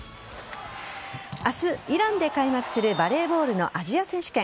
明日、イランで開幕するバレーボールのアジア選手権。